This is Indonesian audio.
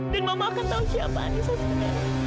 mama akan tahu siapa anissa sebenarnya